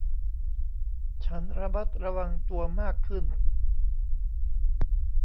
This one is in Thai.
ฉันระมัดระวังตัวมากขึ้น